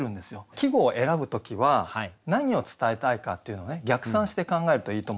季語を選ぶ時は何を伝えたいかっていうのを逆算して考えるといいと思うんですよね。